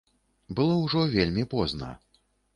Было ўжо вельмі позна.